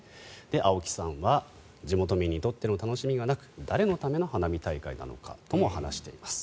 青木さんは地元民にとっての楽しみがなく誰のための花火大会なのかとも話しています。